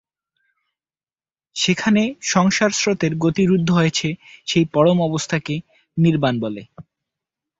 যেখানে সংসার স্রোতের গতি রুদ্ধ হয়েছে, সেই পরম অবস্থা কে নির্বাণ বলে।